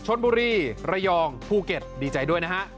ชนบุรีระยองภูเก็ตดีใจด้วยนะฮะ